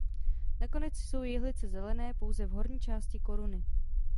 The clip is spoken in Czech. Nakonec jsou jehlice zelené pouze v horní části koruny.